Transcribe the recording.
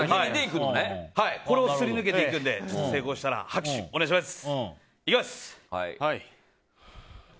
これをすり抜けていくので成功したら拍手をお願いします。